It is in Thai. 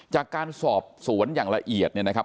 จากการสอบสวนอย่างละเอียดเนี่ยนะครับ